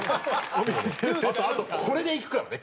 あとこれで行くからね